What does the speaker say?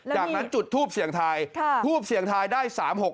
จากนั้นจุดทูปเสี่ยงทายทูบเสี่ยงทายได้๓๖๖